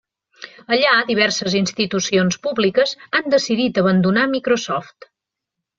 Allà, diverses institucions públiques han decidit abandonar Microsoft.